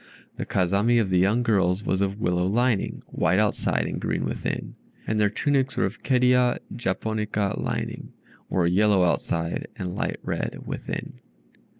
The Kazami of the young girls was of willow lining (white outside and green within), and their tunics were of Kerria japonica lining (or yellow outside and light red within).